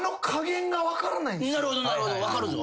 なるほど分かるぞ。